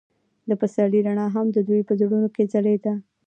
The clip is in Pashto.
د پسرلی رڼا هم د دوی په زړونو کې ځلېده.